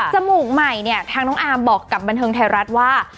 มูกใหม่เนี่ยทางน้องอาร์มบอกกับบันเทิงไทยรัฐว่า